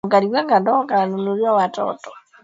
Mwimbaji yule ana umaarufu mwingi